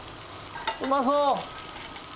うまそう！